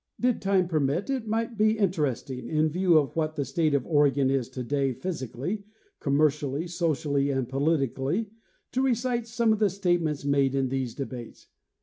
Did time permit, it might be interesting, in view of what the state of Oregon is today physically, commer cially, socially, and politically, to recite some of the statements made in these debates.